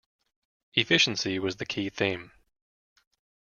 "Efficiency" was the key theme.